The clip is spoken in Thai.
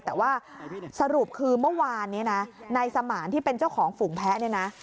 แต่ว่าสรุปคือเมื่อวานนี้ในสมารที่เป็นเจ้าของฝุ่งแพะ